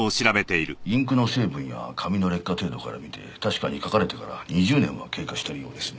インクの成分や紙の劣化程度から見て確かに書かれてから２０年は経過してるようですね。